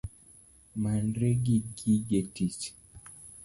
Manri gi gige tich